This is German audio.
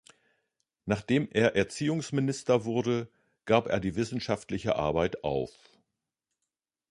Nachdem er Erziehungsminister wurde, gab er die wissenschaftliche Arbeit auf.